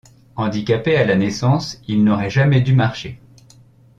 Handicapé à la naissance, il n'aurait jamais dû marcher.